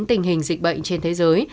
tình hình dịch bệnh trên thế giới